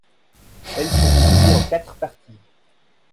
Elles sont divisées en quatre parties.